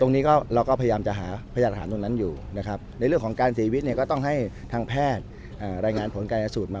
โดยเฉพาะการตายเนี่ย